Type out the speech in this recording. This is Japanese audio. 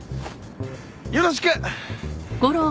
よろしく！